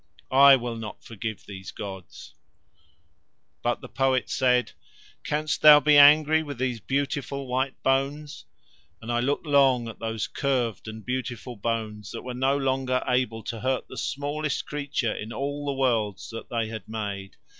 I will not forgive these gods." But the poet said: "Canst thou be angry with these beautiful white bones?" And I looked long at those curved and beautiful bones that were no longer able to hurt the smallest creature in all the worlds that they had made.